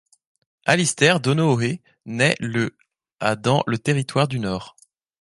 Alistair Donohoe naît le à dans le Territoire du Nord.